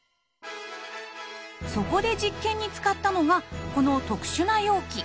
そこで実験に使ったのがこの特殊な容器。